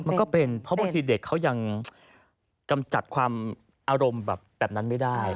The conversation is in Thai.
มันก็เป็นเพราะบางทีเด็กเขายังกำจัดความอารมณ์แบบนั้นไม่ได้